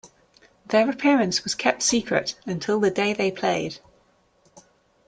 Their appearance was kept secret until the day they played.